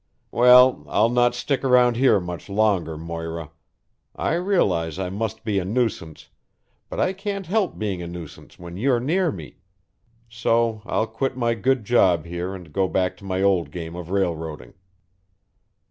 Well, I'll not stick around here much longer, Moira. I realize I must be a nuisance, but I can't help being a nuisance when you're near me. So I'll quit my good job here and go back to my old game of railroading."